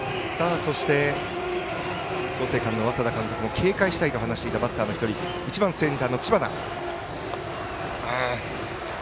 そして創成館の稙田監督も警戒したいと話していたバッターの１番センターの知花。